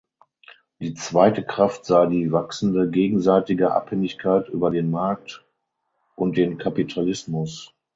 Die zweite Kraft sei die wachsende gegenseitige Abhängigkeit über den Markt und den Kapitalismus.